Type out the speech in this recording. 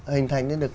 hình thành lên được